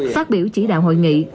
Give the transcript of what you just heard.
phát biểu chỉ đạo hội nghị